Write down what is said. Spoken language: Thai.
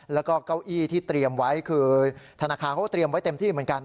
แล้วก็เก้าอี้ที่เตรียมไว้คือธนาคารเขาก็เตรียมไว้เต็มที่เหมือนกัน